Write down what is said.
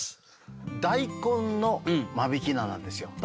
大根の間引菜なんですよ。